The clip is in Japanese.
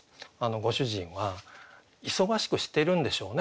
ご主人は忙しくしてるんでしょうね。